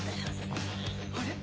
あれ？